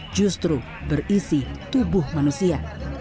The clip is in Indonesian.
justru berisi tubuh manusia